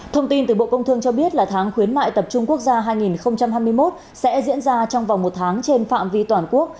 thông tin từ bộ công thương cho biết là tháng khuyến mại tập trung quốc gia hai nghìn hai mươi một sẽ diễn ra trong vòng một tháng trên phạm vi toàn quốc